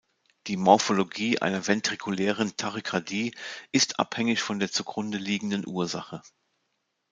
Die Morphologie einer ventrikulären Tachykardie ist abhängig von der zugrundeliegenden Ursache.